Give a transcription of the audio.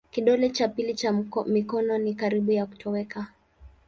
Kidole cha pili cha mikono ni karibu ya kutoweka.